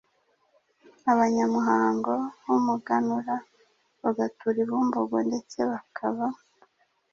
abanyamuhango b’umuganura, bagatura i Bumbogo; ndetse bakaba